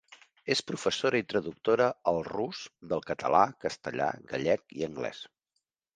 És professora i traductora al rus del català, castellà, gallec i anglès.